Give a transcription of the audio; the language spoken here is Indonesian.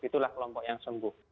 itulah kelompok yang sembuh